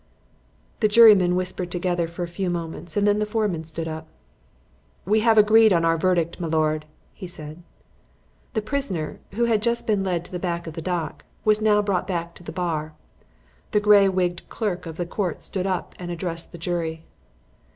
The jurymen whispered together for a few moments and then the foreman stood up. "We have agreed on our verdict, my lord," he said. The prisoner, who had just been led to the back of the dock, was now brought back to the bar. The grey wigged clerk of the court stood up and addressed the jury.